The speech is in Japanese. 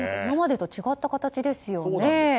今までと違った形ですよね。